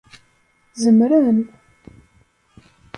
Zemren.